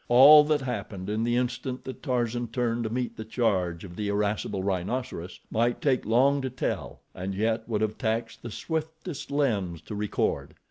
All that happened in the instant that Tarzan turned to meet the charge of the irascible rhinoceros might take long to tell, and yet would have taxed the swiftest lens to record.